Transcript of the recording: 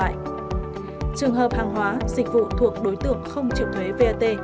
trường hợp hàng hóa dịch vụ thuộc đối tượng không triệu thuế vat